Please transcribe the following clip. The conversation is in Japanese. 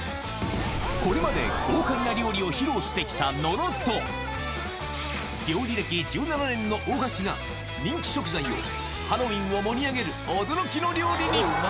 これまで豪快な料理を披露してきた野呂と、料理歴１７年の大橋が、人気食材をハロウィーンを盛り上げる驚きの料理に。